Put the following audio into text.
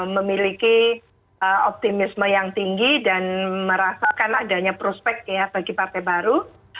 memiliki optimisme yang tinggi dan merasakan adanya prospek ya bagi partai baru